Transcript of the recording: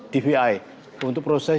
dvi untuk proses